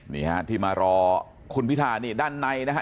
นี่ฮะที่มารอคุณพิธานี่ด้านในนะฮะ